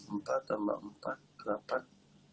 empat tambah empat delapan